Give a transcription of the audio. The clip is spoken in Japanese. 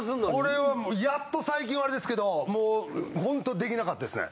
これはもうやっと最近はあれですけどもうほんとできなかったですね。